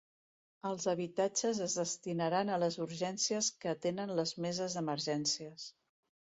Els habitatges es destinaran a les urgències que atenen les Meses d'Emergències.